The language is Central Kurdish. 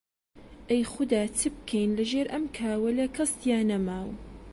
ئەی خودا چ بکەین لەژێر ئەم کاولەی کەس تیا نەماو؟!